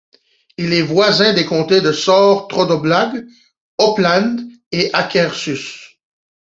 Il est voisin des comtés de Sør-Trøndelag, Oppland et Akershus.